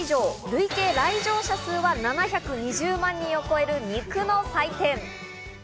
累計来場者数は７２０万人を超える肉の祭典。